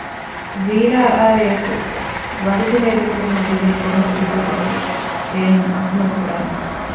ވީރާއާއިއެކު ވަގުތު ހޭދަކުރުމަށް ލިބޭ ކޮންމެ ފުރުސަތެއްގެ ބޭނުން އަކުމަލް ކުރާނެ